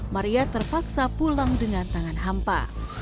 maria terpaksa pulang dengan tangan hampa